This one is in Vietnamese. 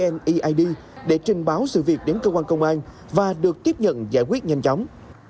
ông nhân đã trình báo sự việc đến cơ quan công an và được tiếp nhận giải quyết nhanh chóng